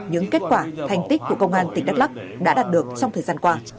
những kết quả thành tích của công an tỉnh đắk lắc đã đạt được trong thời gian qua